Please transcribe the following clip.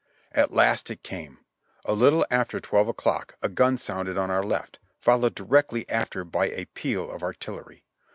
At last it came ! A little after twelve o'clock a gun sounded on our left, followed directly after by a peal of artillery.